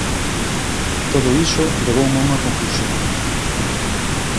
Todo iso levoume a unha conclusión.